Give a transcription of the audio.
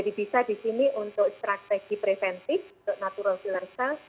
bisa di sini untuk strategi preventif untuk natural phillar cell